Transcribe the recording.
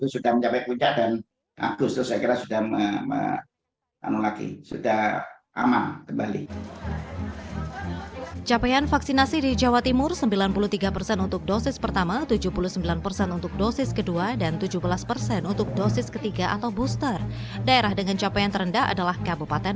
sudah mencapai punca dan agus saya kira sudah aman